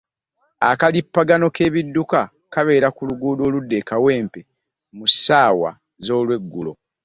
Akalipagaano k'ebidduka kabeera ku luguddo oludda e Kawempe mu saawa z'olweggulo.